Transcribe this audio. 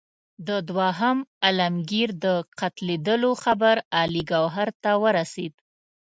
د دوهم عالمګیر د قتلېدلو خبر علي ګوهر ته ورسېد.